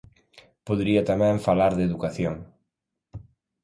Podería tamén falar de educación.